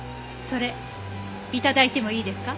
それ頂いてもいいですか？